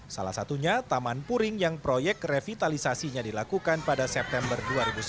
salah satunya taman puring yang proyek revitalisasinya dilakukan pada september dua ribu sembilan belas